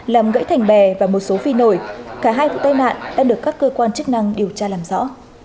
làm gãy thành bè và một số phi nổi cả hai vụ tai nạn đã được các cơ quan chức năng điều tra làm rõ